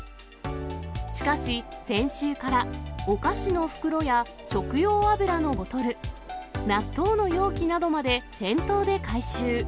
しかし、先週から、お菓子の袋や食用油のボトル、納豆の容器などまで店頭で回収。